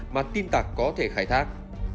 mà tiên tạc có thể khai thác